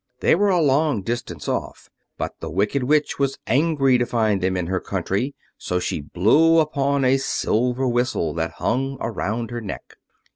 They were a long distance off, but the Wicked Witch was angry to find them in her country; so she blew upon a silver whistle that hung around her neck.